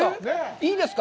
いいですか？